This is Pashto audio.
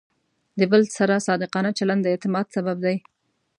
د بل سره صادقانه چلند د اعتماد سبب دی.